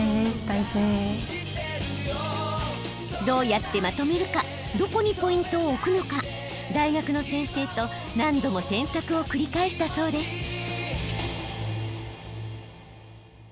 どうやってまとめるかどこにポイントを置くのか大学の先生と何度も添削を繰り返したそうです。